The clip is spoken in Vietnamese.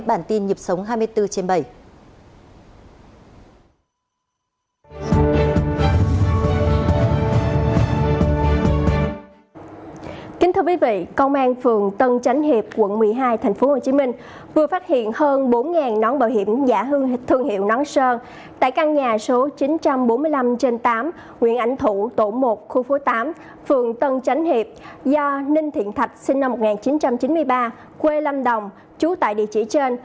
bản tin nhập sống hai mươi bốn trên bảy